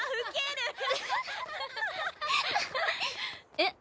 えっ？